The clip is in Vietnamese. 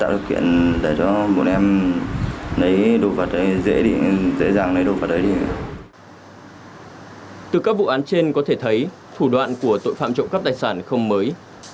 chủ yếu là các vụ án trên có thể thấy thủ đoạn của tội phạm trộm cắp tài sản không mới